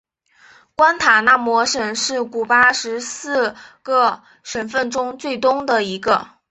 关塔那摩省是古巴十四个省份中最东的一个。